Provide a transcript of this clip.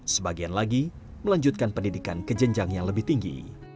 sebagian lagi melanjutkan pendidikan ke jenjang yang lebih tinggi